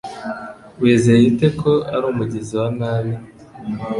Wizeye ute ko ari umugizi wa nabi?